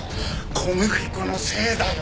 小麦粉のせいだよ。